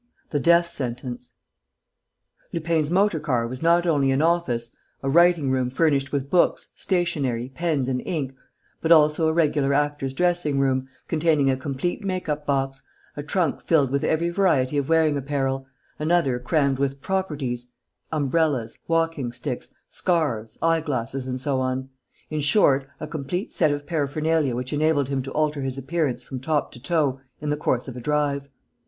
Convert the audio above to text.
THE DEATH SENTENCE Lupin's motor car was not only an office, a writing room furnished with books, stationery, pens and ink, but also a regular actor's dressing room, containing a complete make up box, a trunk filled with every variety of wearing apparel, another crammed with "properties" umbrellas, walking sticks, scarves, eye glasses and so on in short, a complete set of paraphernalia which enabled him to alter his appearance from top to toe in the course of a drive.